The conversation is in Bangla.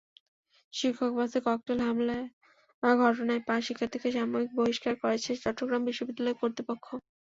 শিক্ষকবাসে ককটেল হামলার ঘটনায় পাঁচ শিক্ষার্থীকে সাময়িক বহিষ্কার করেছে চট্টগ্রাম বিশ্ববিদ্যালয় কর্তৃপক্ষ।